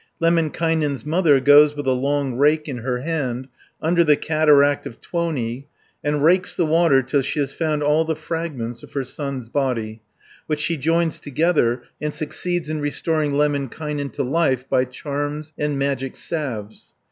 Lemminkainen's mother goes with a long rake in her hand under the cataract of Tuoni, and rakes the water till she has found all the fragments of her son's body, which she joins together, and succeeds in restoring Lemminkainen to life by charms and magic salves (195 554).